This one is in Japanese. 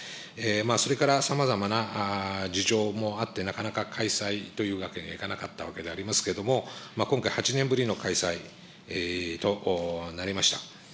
それからさまざまな事情もあって、なかなか開催というわけにはいかなかったわけでありますけれども、今回、８年ぶりの開催となりました。